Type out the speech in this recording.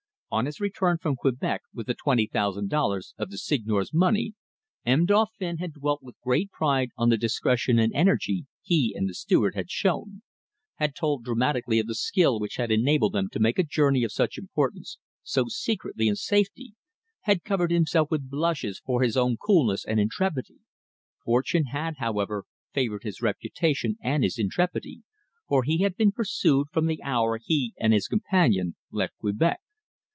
On his return from Quebec with the twenty thousand dollars of the Seigneur's money, M. Dauphin had dwelt with great pride on the discretion and energy he and the steward had shown; had told dramatically of the skill which had enabled them to make a journey of such importance so secretly and safely; had covered himself with blushes for his own coolness and intrepidity. Fortune had, however, favoured his reputation and his intrepidity, for he had been pursued from the hour he and his companion left Quebec.